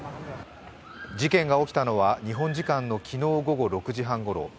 事件が起きたのは日本時間の昨日午後６時半ごろ。